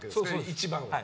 一番は。